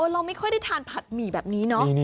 เราไม่ค่อยได้ทานผัดหมี่แบบนี้เนาะ